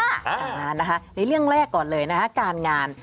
อ่านะคะในเรื่องแรกก่อนเลยนะคะการงาน